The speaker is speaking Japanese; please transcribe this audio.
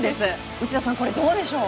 内田さん、これどうでしょう。